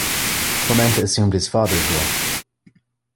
Clement assumed his father's role.